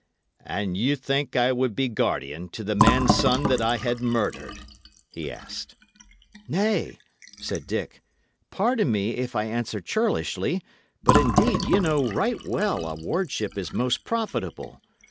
"And ye think I would be guardian to the man's son that I had murdered?" he asked. "Nay," said Dick, "pardon me if I answer churlishly; but indeed ye know right well a wardship is most profitable.